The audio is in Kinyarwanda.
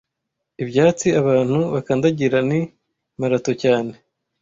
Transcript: Ibyatsi abantu bakandagira Ni Marato cyane,